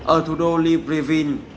ở thủ đô libreville